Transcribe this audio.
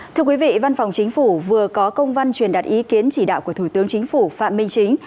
thưa quý vị văn phòng chính phủ vừa có công văn truyền đặt ý kiến chỉ đạo của thủ tướng chính phủ phạm minh chính